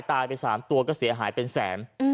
ตายไป๓ตัวก็เสียหายเป็นแสน